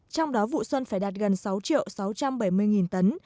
trong đó vụ xuân phải đạt gần sáu triệu sáu trăm bảy mươi nghìn tấn